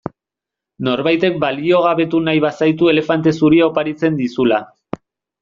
Norbaitek baliogabetu nahi bazaitu elefante zuria oparitzen dizula.